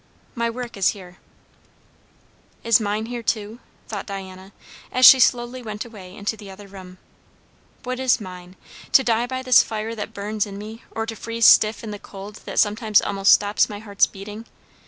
"My work is here." Is mine here too? thought Diana, as she slowly went away into the other room. What is mine? To die by this fire that burns in me; or to freeze stiff in the cold that sometimes almost stops my heart's beating?